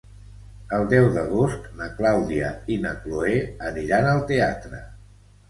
El deu d'agost na Clàudia i na Cloè aniran al teatre.